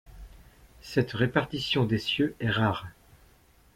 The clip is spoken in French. Cette répartition d'essieux est rare.